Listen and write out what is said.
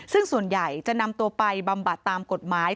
ซึ่งส่วนใหญ่จะนำตัวไปบำบัดตามกฎหมาย